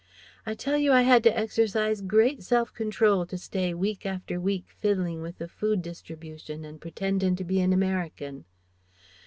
I tell you I had to exercise great self control to stay week after week fiddling with the food distribution and pretendin' to be an American....